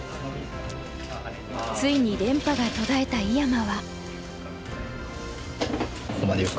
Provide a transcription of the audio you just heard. ついに連覇が途絶えた井山は。